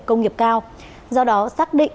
công nghiệp cao do đó xác định